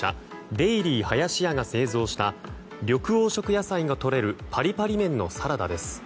デイリーはやしやが製造した緑黄色野菜がとれるパリパリ麺のサラダです。